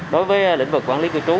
đối với lĩnh vực quản lý cư trú